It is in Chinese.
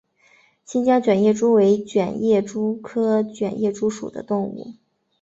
新疆卷叶蛛为卷叶蛛科卷叶蛛属的动物。